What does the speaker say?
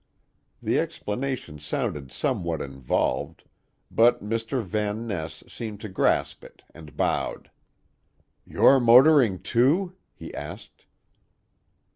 The explanation sounded somewhat involved, but Mr. Van Ness seemed to grasp it, and bowed. "You're motoring, too?" he asked.